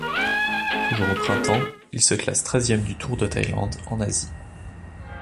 Toujours au printemps, il se classe treizième du Tour de Thaïlande, en Asie.